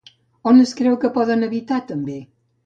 On es creu que poden habitar també?